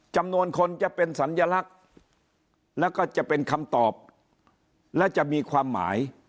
จำนวนคนจะเป็นสัญลักษณ์แล้วก็จะเป็นคำตอบและจะมีความหมาย